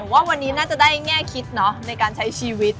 ว่าวันนี้น่าจะได้แง่คิดเนาะในการใช้ชีวิต